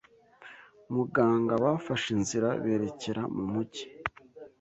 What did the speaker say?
Muganga bafashe inzira berekera mu Mujyi